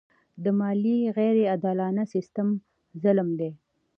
د مالیې غیر عادلانه سیستم ظلم دی.